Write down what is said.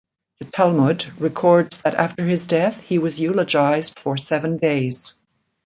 The Talmud records that after his death, he was eulogized for seven days.